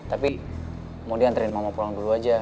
tapi mau diantarin mama pulang dulu aja